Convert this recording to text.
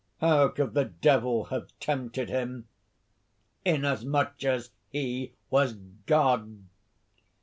How could the Devil have tempted him, inasmuch as he was God?